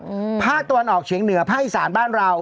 ภาคตะวันออกเฉียงเหนือภาคอีสานบ้านเรา